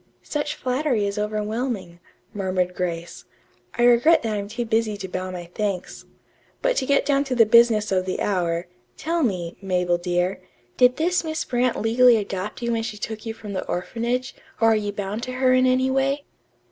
"Such flattery is overwhelming," murmured Grace. "I regret that I'm too busy to bow my thanks. But to get down to the business of the hour tell me, Mabel, dear did this Miss Brant legally adopt you when she took you from the orphanage, or are you bound to her in any way?"